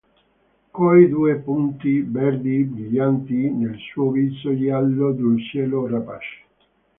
Coi due punti verdi brillanti nel suo viso giallo d'uccello rapace.